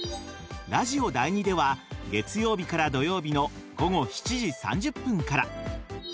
ラジオ第２では月曜日から土曜日の午後７時３０分から。